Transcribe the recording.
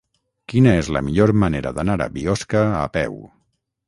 Quina és la millor manera d'anar a Biosca a peu?